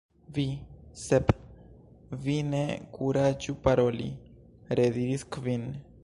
" Vi, Sep, vi ne kuraĝu paroli!" rediris Kvin.